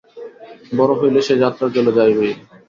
বড় হইলে সে যাত্রার দলে যাইবেই।